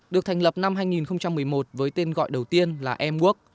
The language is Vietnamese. được thành lập năm hai nghìn một mươi một với tên gọi đầu tiên là em work